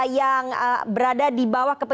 yang berada di bawah